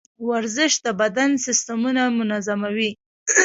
ورزش د بدن سیستمونه منظموي.